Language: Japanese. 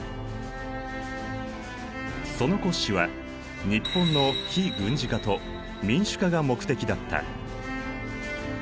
その骨子は日本の非軍事化と民主化が目的だった。